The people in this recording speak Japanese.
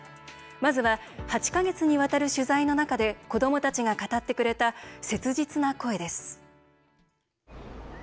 まずは８か月にわたる取材の中で子どもたちが語ってくれた切実な声です。